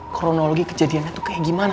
kronologi kejadiannya tuh kayak gimana